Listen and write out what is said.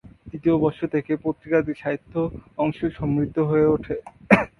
তৃতীয় বর্ষ থেকে পত্রিকাটির সাহিত্য অংশ সমৃদ্ধ হয়ে ওঠে।